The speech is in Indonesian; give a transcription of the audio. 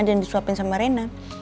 dan disopin sama renah